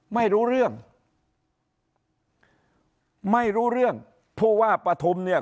ไม่รู้เรื่องไม่รู้เรื่องผู้ว่าปฐุมเนี่ย